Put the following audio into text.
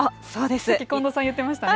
近藤さん、言ってましたね。